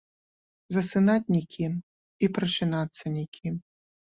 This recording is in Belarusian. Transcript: Засынаць нікім і прачынацца нікім.